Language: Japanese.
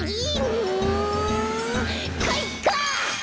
うんかいか！